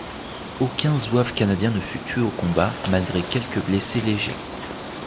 Aucun zouave canadien ne fut tué au combat malgré quelques blessés légers.